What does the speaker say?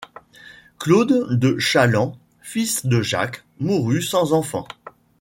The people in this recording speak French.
Claude de Chalant, fils de Jacques, mourut sans enfant.